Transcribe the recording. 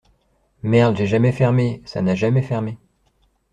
Merde j’ai jamais fermé, ça n’a jamais fermé.